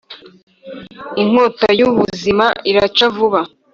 inkota yubuzima iraca vuba